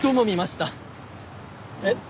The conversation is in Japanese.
えっ？